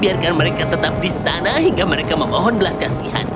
biarkan mereka tetap di sana hingga mereka memohon belas kasihan